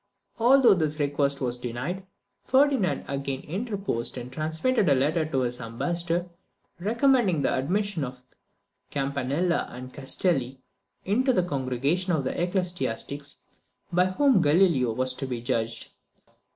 Although this request was denied, Ferdinand again interposed, and transmitted a letter to his ambassador, recommending the admission of Campanella and Castelli into the congregation of ecclesiastics by whom Galileo was to be judged.